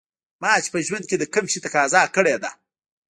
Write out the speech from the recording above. ما چې په ژوند کې د کوم شي تقاضا کړې ده